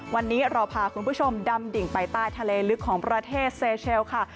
วันนี้เราพาคุณผู้ชมดำดิ่งไปใต้ทะเลลึกของประเทศเซเชลค่ะ